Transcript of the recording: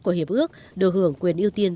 của hiệp ước được hưởng quyền ưu tiên